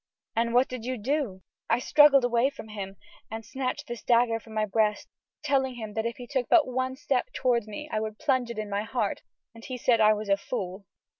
"And what did you do?" "I struggled away from him and snatched this dagger from my breast, telling him that if he took but one step toward me I would plunge it in my heart; and he said I was a fool."